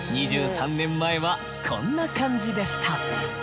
２３年前はこんな感じでした。